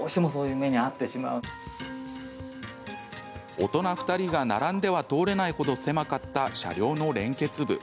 大人２人が並んでは通れないほど狭かった車両の連結部。